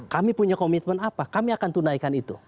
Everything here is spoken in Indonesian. kami punya komitmen apa kami akan tunaikan itu